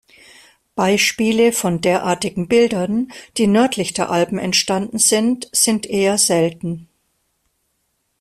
Beispiele von derartigen Bildern, die nördlich der Alpen entstanden sind, sind eher selten.